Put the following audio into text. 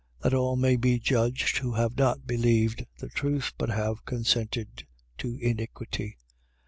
2:11. That all may be judged who have not believed the truth but have consented to iniquity.